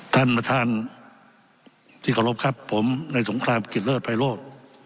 ท่านประธานที่เคารพครับผมในสงครามกิจเลิศภัยโรธ